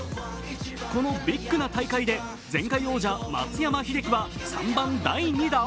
このビッグな大会で前回王者・松山英樹は３番、第２打。